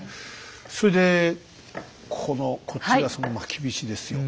それでこのこっちがそのまきびしですよ。